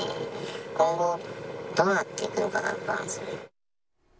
今後、どうなっていくのかが不安ですね。